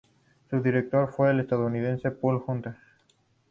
Su director fue el estadounidense Paul Hunter.